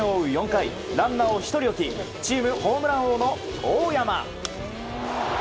４回ランナーを１人置きチームホームラン王の大山。